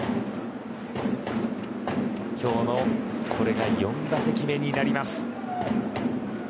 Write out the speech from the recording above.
今日のこれが４打席目になります。